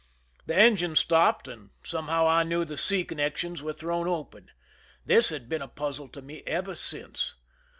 The engine stopped, and somehow I knew the sea connections were thrown open. This has been a puzzle to me ever since.